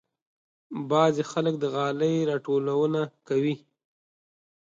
بعضې خلک د غالۍ راټولونه کوي.